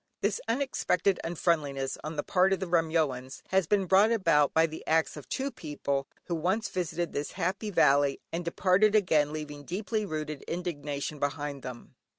This unexpected unfriendliness on the part of the Remyoans has been brought about by the acts of two people, who once visited this happy valley, and departed again leaving deeply rooted indignation behind them.